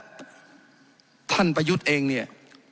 ขออนุโปรประธานครับขออนุโปรประธานครับขออนุโปรประธานครับ